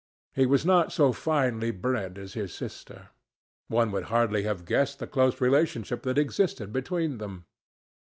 He was not so finely bred as his sister. One would hardly have guessed the close relationship that existed between them.